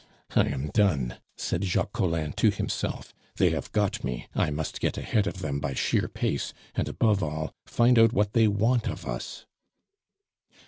"I am done!" said Jacques Collin to himself. "They have got me. I must get ahead of them by sheer pace, and, above all, find out what they want of us."